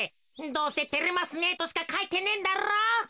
どうせ「てれますね」としかかいてねえんだろう。